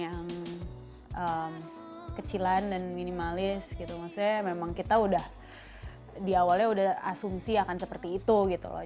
yang kecilan dan minimalis gitu maksudnya memang kita udah di awalnya udah asumsi akan seperti itu gitu loh